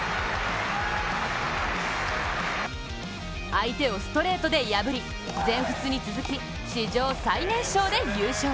相手をストレートで破り全仏に続き、史上最年少で優勝。